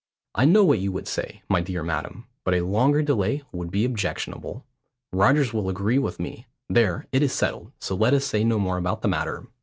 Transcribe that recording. I know what you would say, my dear madam, but a longer delay would be objectionable. Rogers will agree with me. There, it is settled, so let us say no more about the matter."